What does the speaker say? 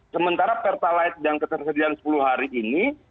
sementara pertalite yang ketersediaan sepuluh hari ini